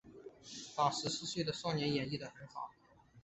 把十四岁的少年演绎的很好